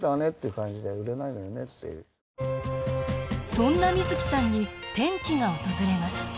そんな水木さんに転機が訪れます。